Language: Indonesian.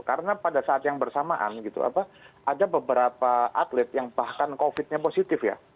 karena pada saat yang bersamaan gitu ada beberapa atlet yang bahkan covid nya positif ya